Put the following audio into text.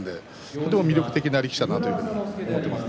とても魅力的な力士だなと思っています。